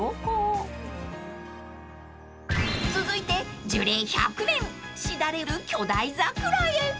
［続いて樹齢１００年しだれる巨大桜へ］